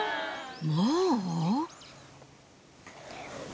もう？